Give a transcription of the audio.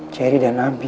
jerry dan abi